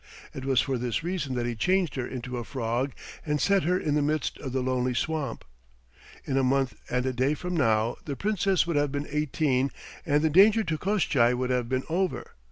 It was for this reason that he changed her into a frog and set her in the midst of the lonely swamp. In a month and a day from now the Princess would have been eighteen, and the danger to Koshchei would have been over.